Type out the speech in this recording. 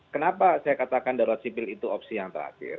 kenapa saya katakan darurat sipil itu opsi yang terakhir